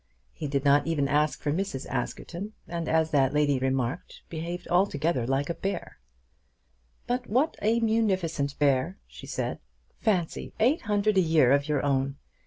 He did not even ask for Mrs. Askerton, and as that lady remarked, behaved altogether like a bear. "But what a munificent bear!" she said. "Fancy; eight hundred a year of your own.